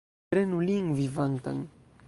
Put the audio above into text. Prenu lin vivantan!